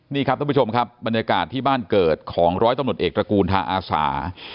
นี่ครับท่านผู้ชมครับบรรยากาศที่บ้านเกิดของร้อยตำรวจเอกตระกูลทาอาสา